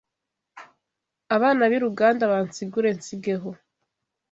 Abana b’i Ruganda bansigure nsigeho